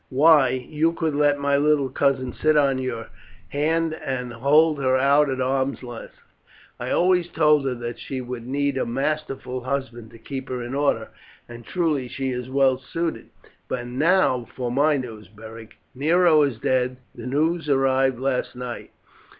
Why, you could let my little cousin sit on your hand and hold her out at arm's length. I always told her that she would need a masterful husband to keep her in order, and truly she is well suited. And now for my news, Beric. Nero is dead. The news arrived last night."